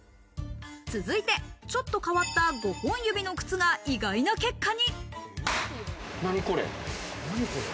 続いて、ちょっと変わった５本指の靴が意外な結果に。